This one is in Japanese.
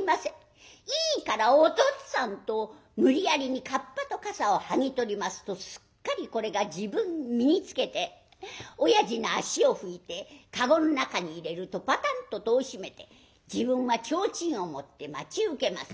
いいからおとっつぁん」と無理やりにかっぱとかさを剥ぎ取りますとすっかりこれが自分に身につけて親父の足を拭いて駕籠の中に入れるとパタンと戸を閉めて自分はちょうちんを持って待ち受けます。